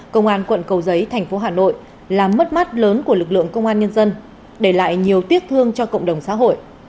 công an quận cầu giấy thành phố hà nội là mất mắt lớn của lực lượng công an nhân dân để lại nhiều tiếc thương cho cộng đồng xã hội